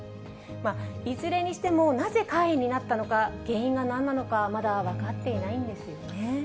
いずれにしても、なぜ肝炎になったのか、原因がなんなのか、まだ分かっていないんですよね。